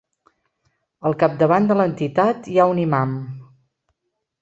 Al capdavant de l'entitat hi ha un imam.